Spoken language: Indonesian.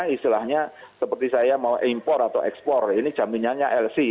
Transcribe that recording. istilahnya seperti saya mau impor atau ekspor ini jaminannya lc